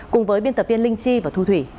cùng với biên tập viên linh chi và thu thủy